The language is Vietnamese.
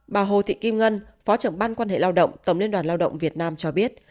bà hồ thị kim ngân phó trưởng ban quan hệ lao động tổng liên đoàn lao động việt nam cho biết